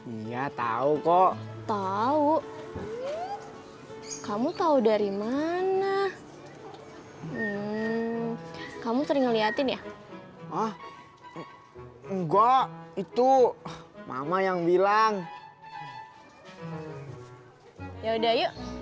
iya tahu kok tahu kamu tahu dari mana kamu sering ngeliatin ya oh enggak itu mama yang bilang yaudah yuk